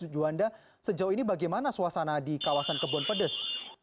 juanda sejauh ini bagaimana suasana di kawasan kebun pedes